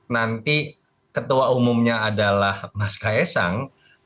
nanti ketua umumnya adalah mas kaya sang